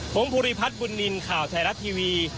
ผมภูริพัฒน์บุญนินทร์ข่าวไทยรัฐทีวี